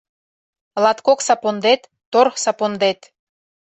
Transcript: Латкок сапондет — тор сапондет